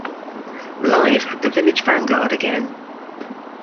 Live at the Village Vanguard Again!